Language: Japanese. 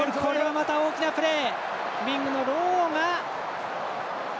また大きなプレー。